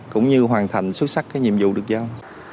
cũng như hoàn thành xuất sắc cái nhiệm vụ được giao